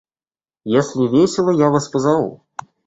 Если весело, я вас позову.